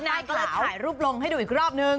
พี่นางก็เลยขายรูปลงให้ดูอีกรอบนึง